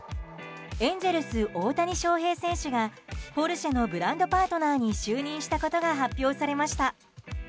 エンゼルス、大谷翔平選手がポルシェのブランドパートナーに就任したことが発表されました。